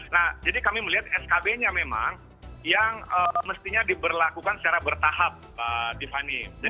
nah jadi kami melihat skb nya memang yang mestinya diberlakukan secara bertahap mbak tiffany